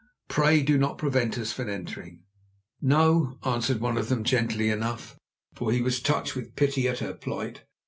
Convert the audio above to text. Pray do not prevent us from entering." "No," answered one of them gently enough, for he was touched with pity at her plight.